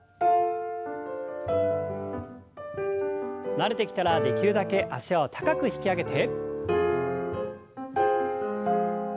慣れてきたらできるだけ脚を高く引き上げて。